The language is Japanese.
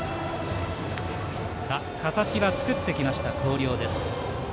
形は作ってきました、広陵です。